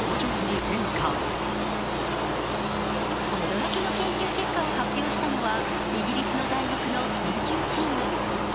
驚きの研究結果を発表したのは、イギリスの大学の研究チーム。